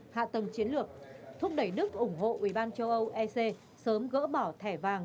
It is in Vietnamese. hạ tầng chiến lược thúc đẩy đức ủng hộ ubnd châu âu ec sớm gỡ bỏ thẻ vàng